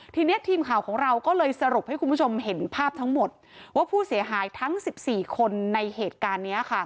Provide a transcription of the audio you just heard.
ทีนี้ทีมข่าวของเราก็เลยสรุปให้คุณผู้ชมเห็นภาพทั้งหมดว่าผู้เสียหายทั้ง๑๔คนในเหตุการณ์นี้ค่ะ